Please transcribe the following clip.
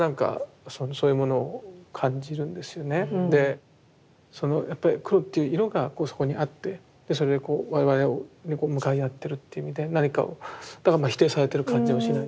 でやっぱり黒っていう色がそこにあってそれでこう我々を向かい合ってるっていう意味で何かをだから否定されてる感じはしない。